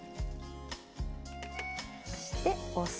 そしてお酢。